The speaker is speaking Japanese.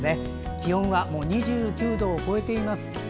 気温は２９度を超えています。